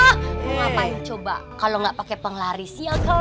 ngapain coba kalau nggak pake penglaris ya kan